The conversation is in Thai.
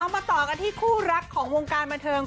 เอามาต่อกันที่คู่รักของวงการบรรทง